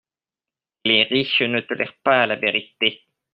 Les riches ne tolèrent pas la vérité.